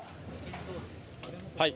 はい。